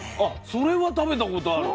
それは食べたことある。